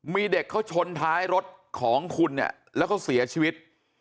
มีเด็กเขาชนท้ายรถของคุณเนี่ยแล้วก็เสียชีวิต